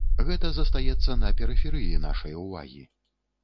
Гэта застаецца на перыферыі нашай увагі.